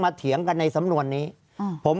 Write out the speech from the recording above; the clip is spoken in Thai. ภารกิจสรรค์ภารกิจสรรค์